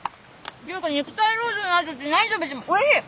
ていうか肉体労働の後って何食べてもおいしい！